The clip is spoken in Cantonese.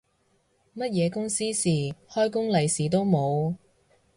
乜嘢公司事，開工利是都冇